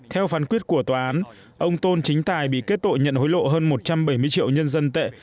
theo phán quyết của tòa án ông tôn chính tài bị kết tội nhận hối lộ hơn một trăm bảy mươi triệu nhân dân tệ